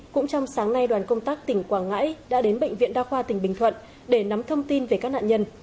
cũng trong sáng nay đoàn công tác tỉnh quảng ngãi đã đến bệnh viện đa khoa tỉnh bình thuận để nắm thông tin về các nạn nhân